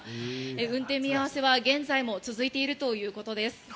運転見合わせは現在も続いているということです。